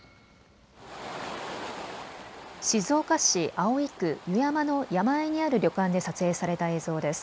静岡市葵区油山の山あいにある旅館で撮影された映像です。